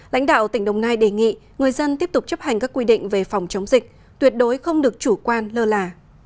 lãnh đạo tỉnh đồng nai đề nghị người dân tiếp tục chấp hành các quy định về phòng chống dịch tuyệt đối không được chủ quan lơ là